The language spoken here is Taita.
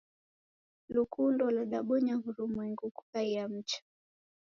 Lukundo lwadabonya w'urumwengu kukaiya mcha.